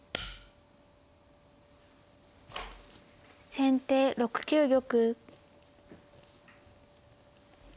先手６九玉。